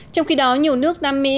trong khi đó nhiều nước nam mỹ